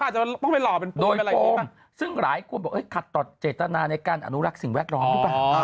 อาจจะต้องเป็นหล่อโดยโฟมซึ่งหลายคนบอกเอ้ยขัดตอดเจตนาในการอนุรักษ์สิ่งแวกร้อง